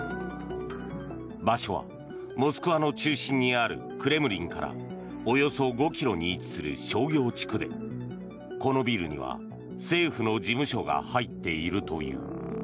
場所はモスクワの中心にあるクレムリンからおよそ５ｋｍに位置する商業地区でこのビルには、政府の事務所が入っているという。